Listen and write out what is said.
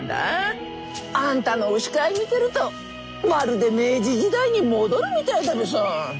あんたの牛飼い見てるとまるで明治時代に戻るみたいだべさ。